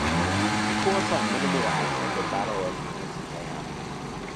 The corps saw minimal action at the Battle of Antietam.